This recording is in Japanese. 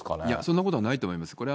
いや、そんなことはないと思います。